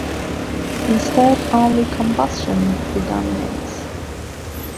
Instead only combustion predominates.